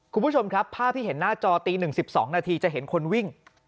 คุณผู้ชมครับภาพที่เห็นหน้าจอตี๑๑๒นาทีจะเห็นคนวิ่ง